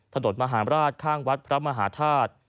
ถนนมหาราชข้างวัดพระมหาธาตุ